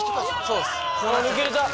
そうです。